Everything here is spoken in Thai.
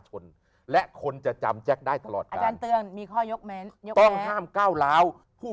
ชนและคนจะจำแจ๊คได้ตลอดการมีข้อยกแม้ต้องท่ามเก้าล้าวผู้